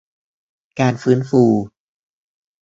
การฟื้นฟู